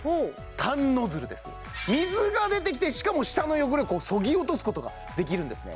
タンノズルです水が出てきてしかも舌の汚れをそぎ落とすことができるんですね